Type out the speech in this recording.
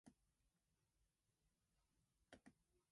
The first three tournaments were won by Eric Sturgess from South Africa.